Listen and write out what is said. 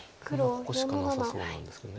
ここしかなさそうなんですけど。